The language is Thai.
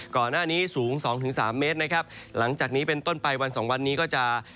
ก่อนหน้านี้สูง๒๓เมตรนะครับหลังจากนี้เป็นต้นไปวัน๒วันนี้ก็จะ